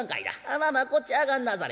まあまあこっち上がんなされ」。